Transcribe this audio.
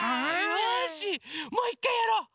よしもういっかいやろう！